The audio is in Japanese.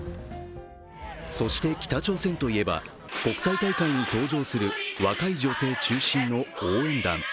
そして北朝鮮といえば国際大会に登場する若い女性中心の応援団。